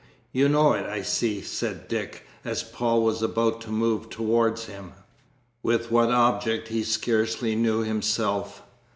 "You know it, I see," said Dick, as Paul was about to move towards him with what object he scarcely knew himself.